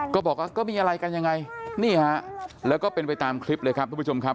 ก็มีอะไรกันยังไงนี่ฮะแล้วก็เป็นไปตามคลิปเลยครับทุกผู้ชมครับ